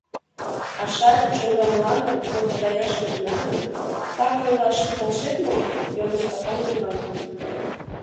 — А Шале чоҥга мландым хлопотаяш йодына гын, так ойлаш, полшет мо? — йодо Стапан Йыван.